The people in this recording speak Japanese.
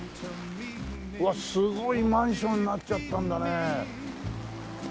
うわっすごいマンションになっちゃったんだね。